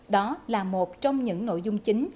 đó là một trong những nội dung chính